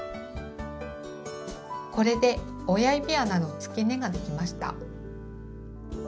これで親指穴のつけ根ができました。